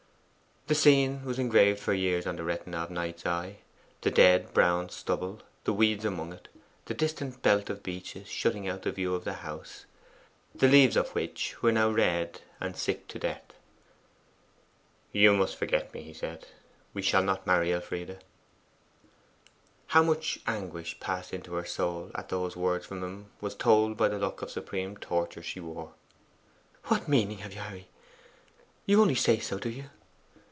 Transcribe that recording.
The scene was engraved for years on the retina of Knight's eye: the dead and brown stubble, the weeds among it, the distant belt of beeches shutting out the view of the house, the leaves of which were now red and sick to death. 'You must forget me,' he said. 'We shall not marry, Elfride.' How much anguish passed into her soul at those words from him was told by the look of supreme torture she wore. 'What meaning have you, Harry? You only say so, do you?